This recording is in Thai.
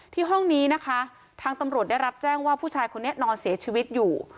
ห้องนี้นะคะทางตำรวจได้รับแจ้งว่าผู้ชายคนนี้นอนเสียชีวิตอยู่